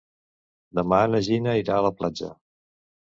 Demà na Gina irà a la platja.